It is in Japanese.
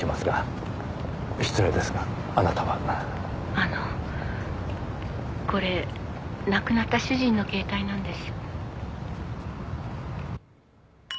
「あのこれ亡くなった主人の携帯なんです」